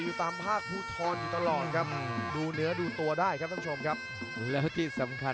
อยู่ตามภาครบุธรอยู่ตลอดครับดูเนื้อดูตัวได้ครับท่านผู้ชมครับ